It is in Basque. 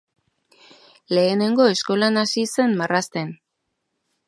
Lehenengo eskolan hasi zen marrazten.